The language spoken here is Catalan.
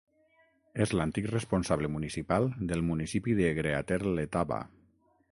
És l'antic responsable municipal del municipi de Greater Letaba.